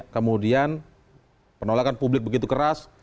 kemudian penolakan publik begitu keras